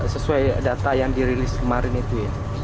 sesuai data yang dirilis kemarin itu ya